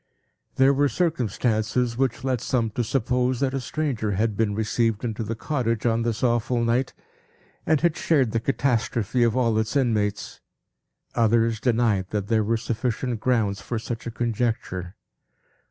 There were circumstances which led some to suppose that a stranger had been received into the cottage on this awful night, and had shared the catastrophe of all its inmates. Others denied that there were sufficient grounds for such a conjecture.